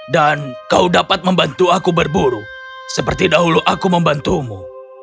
dan kau dapat membantu aku berburu seperti dahulu aku membantumu